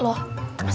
udah mari makan